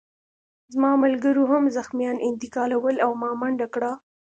زما ملګرو هم زخمیان انتقالول او ما منډه کړه